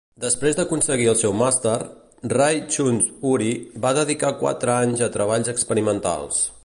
Després d'aconseguir el seu màster, Raychaudhuri va dedicar quatre anys a treballs experimentals.